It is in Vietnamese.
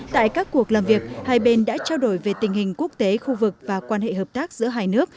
tại các cuộc làm việc hai bên đã trao đổi về tình hình quốc tế khu vực và quan hệ hợp tác giữa hai nước